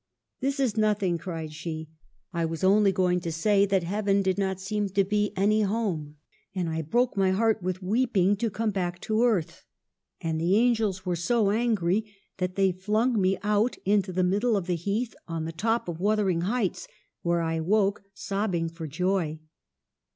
"' This is nothing,' cried she ;' I was only go ing to say that heaven did not seem to be any home ; and I broke my heart with weeping to come back to earth ; and the angels were so angry that they flung me out into the middle of the heath on the top of Wuthering Heights, where I woke sobbing for joy.